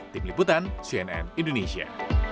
tim liputan cnn indonesia